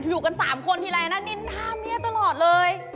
อยู่กัน๓คนทีไรนะนินทาเมียตลอดเลย